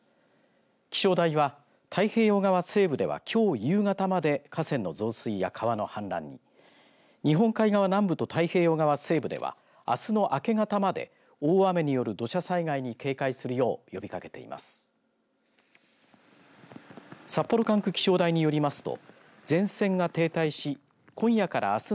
気象台は太平洋側西部ではきょう夕方まで河川の増水や川の氾濫に日本海側南部と太平洋側西部ではあすの明け方まで大雨による土砂災害に警戒するよう呼びかけています。